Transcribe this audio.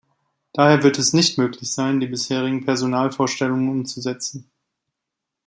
Daher wird es nicht möglich sein, die bisherigen Personalvorstellungen umzusetzen.